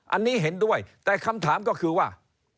อันนี้เห็นด้วยแต่คำถามก็คือว่า